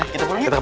kita pulang aja